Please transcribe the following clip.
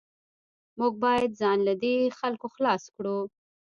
موږ باید ځان له دې خلکو خلاص کړو